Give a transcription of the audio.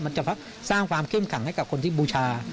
จะสร้างความเข้มขังให้กับคนที่บูชา